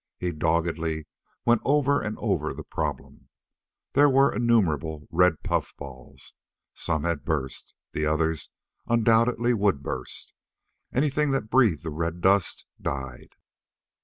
He doggedly went over and over the problem. There were innumerable red puffballs. Some had burst. The others undoubtedly would burst. Anything that breathed the red dust died.